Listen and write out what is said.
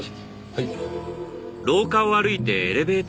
はい。